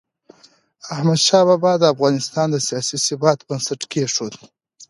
احمدشاه بابا د افغانستان د سیاسي ثبات بنسټ کېښود.